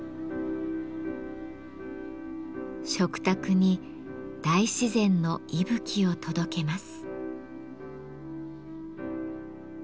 食卓に大自然の息吹を届けます。